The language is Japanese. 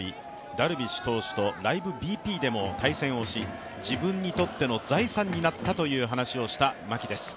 ダルビッシュ投手ともライブＢＰでも対戦をし、自分にとっての財産になったという話をした牧です。